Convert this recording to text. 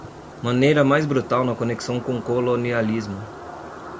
maneira mais brutal na conexão com o colonialismo